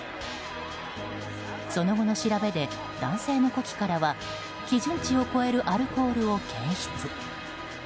その後の調べで男性の呼気からは基準値を超えるアルコールを検出。